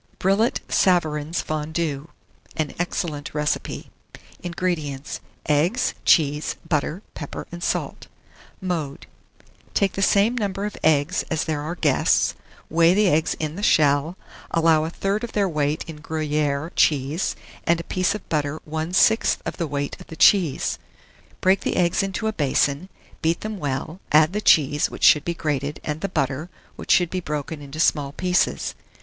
BRILLAT SAVARIN'S FONDUE. (An excellent Recipe.) 1644. INGREDIENTS. Eggs, cheese, butter, pepper and salt. Mode. Take the same number of eggs as there are guests; weigh the eggs in the shell, allow a third of their weight in Gruyère cheese, and a piece of butter one sixth of the weight of the cheese. Break the eggs into a basin, beat them well; add the cheese, which should be grated, and the butter, which should be broken into small pieces.